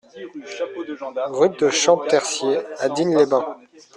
Route de Champtercier à Digne-les-Bains